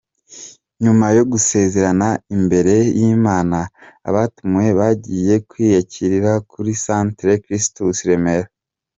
Nyuma yo gusezerana imbere y’Imana abatumiwe bagiye kwiyakirira kuri Centre Christus i Remera.